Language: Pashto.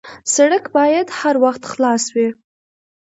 سړک باید هر وخت خلاص وي.